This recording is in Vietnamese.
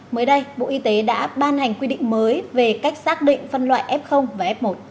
mới đây bộ y tế đã ban hành quy định mới về cách xác định phân loại f và f một